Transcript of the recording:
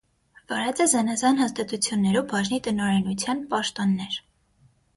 Վարած է զանազան հաստատութիւններու բաժնի տնօրէնութեան պաշտօններ։